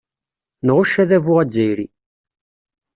Nɣucc adabu azzayri.